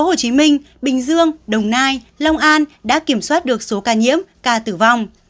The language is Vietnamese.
hồ chí minh bình dương đồng nai long an đã kiểm soát được số ca nhiễm ca tử vong